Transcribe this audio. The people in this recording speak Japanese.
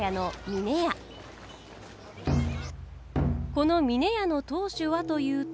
この峰屋の当主はというと。